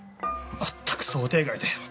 まったく想定外だよ。